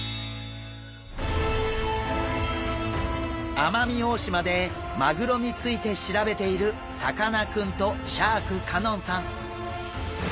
奄美大島でマグロについて調べているさかなクンとシャーク香音さん。